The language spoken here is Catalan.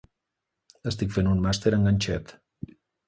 Estic fent un màster en ganxet.